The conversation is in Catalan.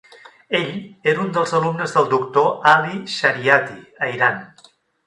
Ell era un dels alumnes del Dr. Ali Shariati a Iran.